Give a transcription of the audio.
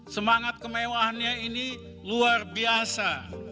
semangat kemewahannya ini luar biasa